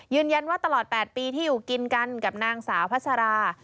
ตลอด๘ปีที่อยู่กินกันกับนางสาวพัชรา